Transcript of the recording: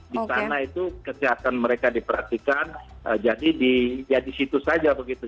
di sana itu kesehatan mereka diperhatikan jadi ya di situ saja begitu